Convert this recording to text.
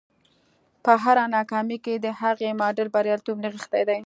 په هره ناکامۍ کې د هغې معادل بریالیتوب نغښتی دی